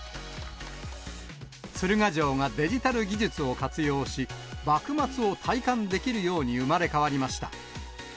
鶴ヶ城がデジタル技術を活用し、幕末を体感できるように生まれ変わりました。